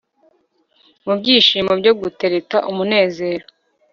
Mubyishimo byo gutereta umunezero